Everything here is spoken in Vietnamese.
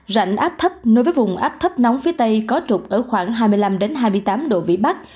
rãnh áp thấp nối với vùng áp thấp nóng phía tây có trục ở khoảng hai mươi năm hai mươi tám độ vĩ bắc